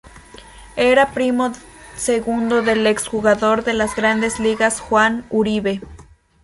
Era primo segundo del ex jugador de las Grandes Ligas Juan Uribe.